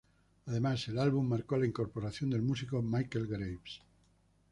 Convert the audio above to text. Además, el álbum marcó la incorporación del músico Michael Graves.